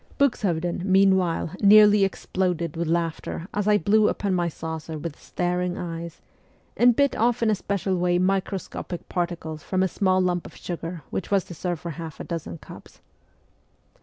Buxhovden meanwhile nearly exploded with laughter as I blew upon my saucer with staring eyes, and bit off in a special way microscopic particles from a small lump of sugar which was to serve for half a dozen cups.